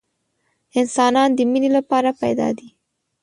انسانان د مینې لپاره پیدا دي